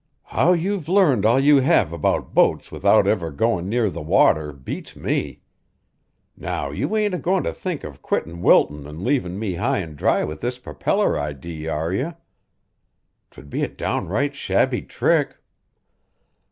How you've learned all you have about boats without ever goin' near the water beats me. Now you ain't a goin' to think of quittin' Wilton an' leavin' me high an' dry with this propeller idee, are you? 'Twould be a downright shabby trick."